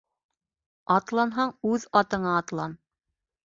Атланһаң үҙ атыңа атлан